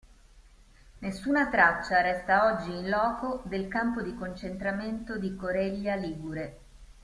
Nessuna traccia resta oggi in loco del campo di concentramento di Coreglia Ligure.